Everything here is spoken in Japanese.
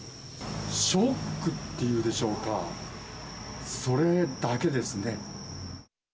ショックっていうでしょうか、それだけですね。